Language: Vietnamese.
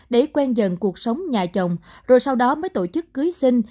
để quen dần cuộc sống nhà chồng rồi sau đó mới tổ chức cưới sinh